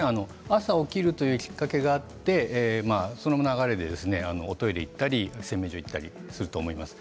朝起きるというきっかけがあってその流れでおトイレに行ったり洗面所に行ったりすると思います。